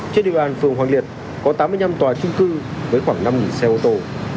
trên địa bàn phường hoàng liệt có tám mươi năm tòa trung cư với khoảng năm xe ô tô